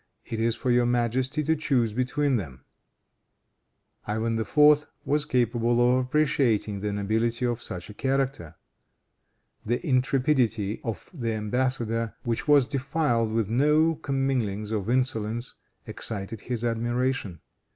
It is for your majesty to choose between them." Ivan IV. was capable of appreciating the nobility of such a character. The intrepidity of the embassador, which was defiled with no comminglings of insolence, excited his admiration.